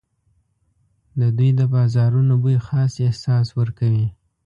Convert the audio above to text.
د دوی د بازارونو بوی خاص احساس ورکوي.